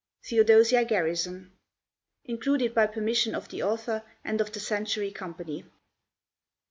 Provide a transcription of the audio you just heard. Theodosia Garrison _Included by permission of the author and of The Century Company.